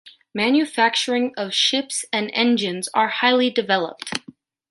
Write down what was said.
Manufacturing of ships and engines are highly developed.